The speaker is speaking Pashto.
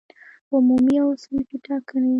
عمومي او صنفي ټاکنې